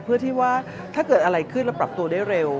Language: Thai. เพื่อที่ว่าถ้าเกิดอะไรขึ้นเราปรับตัวได้เร็ว